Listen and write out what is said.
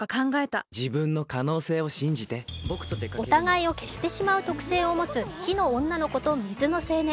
お互いを消してしまう特性を持つ火の女の子と水の青年。